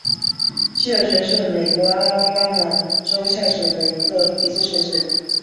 西尔泉是美国阿拉巴马州下属的一座城市。